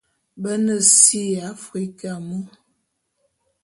Be ne si ya Africa mu.